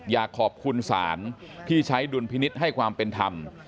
อยากขอบคุณศาลที่ใช้ดุลพินิษฐ์ให้ความเป็นธรรม